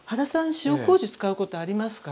塩麹使うことありますか？